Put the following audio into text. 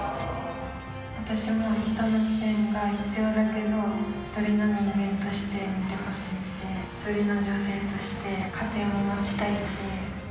私も人の支援が必要だけど、一人の人間として見てほしいし、一人の女性として家庭を持ちたいし。